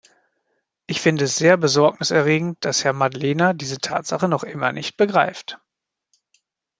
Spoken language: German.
Ich finde es sehr besorgniserregend, dass Herr Madlener diese Tatsache noch immer nicht begreift.